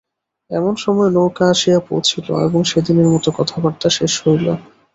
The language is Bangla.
এমন সময় নৌকা আসিয়া পৌঁছিল এবং সেদিনের মত কথাবার্তা শেষ হইল।